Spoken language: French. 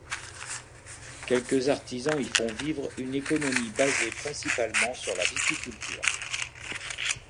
Quelques artisans y font vivre une économie basée principalement sur la viticulture.